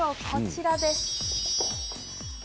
こちらです。